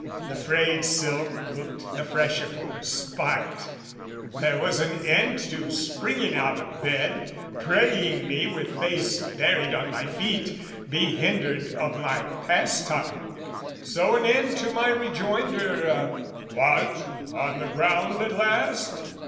The frayed silk looked the fresher for her spite! There was an end to springing out of bed, Praying me, with face buried on my feet, Be hindered of my pastime, so an end To my rejoinder, "What, on the ground at last?